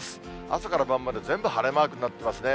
朝から晩まで全部晴れマークになっていますね。